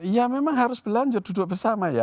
ya memang harus belanja duduk bersama ya